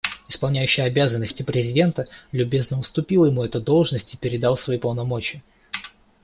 Исполняющий обязанности президента любезно уступил ему эту должность и передал свои полномочия.